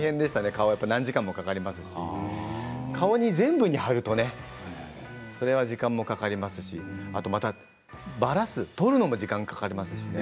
顔は、何時間も、かかりますし顔に全部に貼ると時間もかかりますしばらす、取るのも時間がかかります。